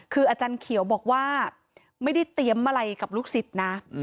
คืออาจารย์เขียวบอกว่าไม่ได้เตรียมอะไรกับลูกศิษย์นะ